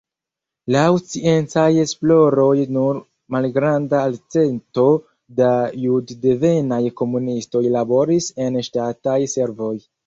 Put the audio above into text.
Laŭ sciencaj esploroj nur malgranda elcento da juddevenaj komunistoj laboris en ŝtataj servoj.